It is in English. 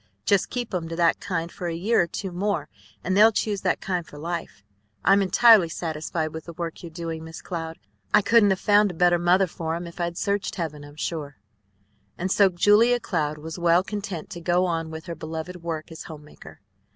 Just keep 'em to that kind for a year or two more, and they'll choose that kind for life. I'm entirely satisfied with the work you're doing, Miss Cloud. I couldn't have found a better mother for 'em if I'd searched heaven, I'm sure." And so Julia Cloud was well content to go on with her beloved work as home maker.